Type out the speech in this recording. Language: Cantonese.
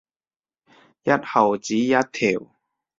一毫子一條